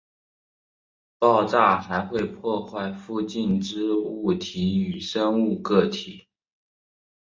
爆炸还会破坏附近之物体与生物个体。